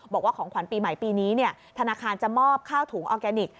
บอกว่าของขวัญปีใหม่ปีนี้ธนาคารจะมอบข้าวถุงออร์แกนิค